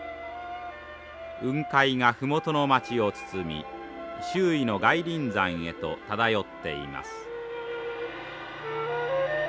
雲海が麓の町を包み周囲の外輪山へと漂っています。